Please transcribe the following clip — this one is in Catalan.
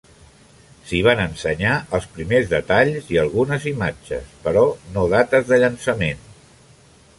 S'hi van ensenyar els primers detalls i algunes imatges, però no dates de llançament.